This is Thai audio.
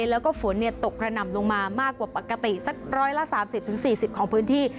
แล้วก็ฝนเนียดตกระหน่ำลงมามากกว่าปกติสักร้อยละสามสิบถึงสี่สิบของพื้นที่